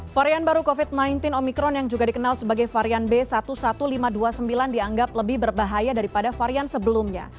varian baru covid sembilan belas omikron yang juga dikenal sebagai varian b satu satu lima ratus dua puluh sembilan dianggap lebih berbahaya daripada varian sebelumnya